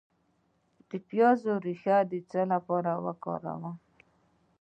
د پیاز ریښه د څه لپاره وکاروم؟